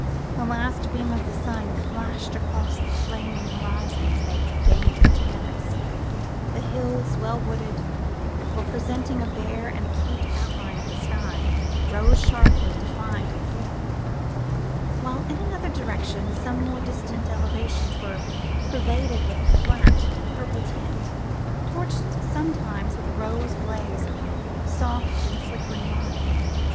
The last beam of the sun flashed across the flaming horizon as they gained the terrace; the hills, well wooded, or presenting a bare and acute outline to the sky, rose sharply defined in form; while in another direction some more distant elevations were pervaded with a rich purple tint, touched sometimes with a rosy blaze of soft and flickering light.